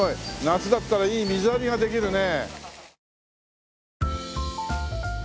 夏だったらいい水浴びができるね。